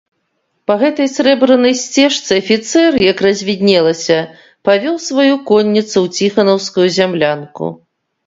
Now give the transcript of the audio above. Па гэтай срэбранай сцежцы афіцэр, як развіднелася, павёў сваю конніцу ў ціханаўскую зямлянку.